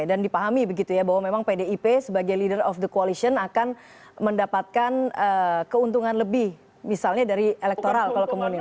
dan dipahami begitu ya bahwa memang pdip sebagai leader of the coalition akan mendapatkan keuntungan lebih misalnya dari elektoral kalau kemungkinan